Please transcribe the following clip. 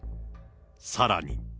さらに。